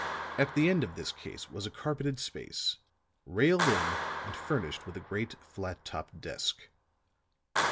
At the end of this case was a carpeted space, railed in and furnished with a great flat topped desk.